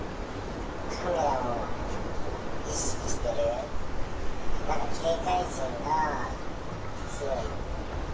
カメラを意識している、なんか警戒心が強い。